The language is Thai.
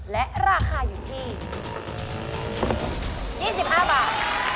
และราคาอยู่ที่๒๕บาท